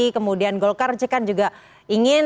kemudian golkar juga ingin